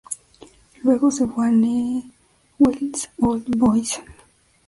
Luego se fue a Newell's Old Boys.